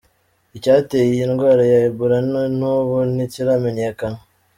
Icyateye iyi ndwara ya Ebola na n'ubu ntikiramenyekana.